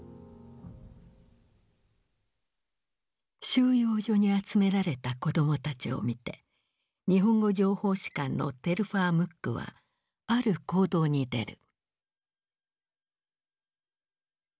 収容所に集められた子供たちを見て日本語情報士官のテルファー・ムックはある行動に出る。